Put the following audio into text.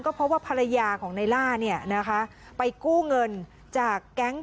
ก็เพราะว่าภรรยาของนายล่าไปกู้เงินจากแก๊งก์